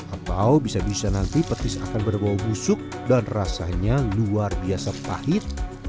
atau bisa bisa nanti petis akan berbau busuk dan rasanya luar biasa pahit